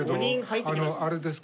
あのあれですか？